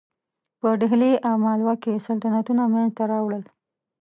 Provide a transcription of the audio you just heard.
په ډهلي او مالوه کې سلطنتونه منځته راوړل.